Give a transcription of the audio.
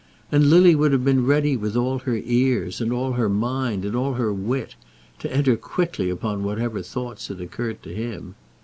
And Lily would have been ready with all her ears, and all her mind, and all her wit, to enter quickly upon whatever thoughts had occurred to him.